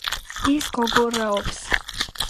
ის გოგო რაობს.